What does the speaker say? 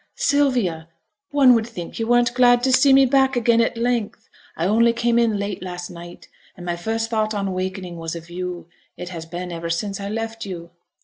'Sylvia! one would think you weren't glad to see me back again at length. I only came in late last night, and my first thought on wakening was of you; it has been ever since I left you.'